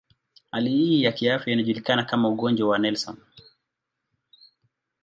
Hali hii ya kiafya inajulikana kama ugonjwa wa Nelson.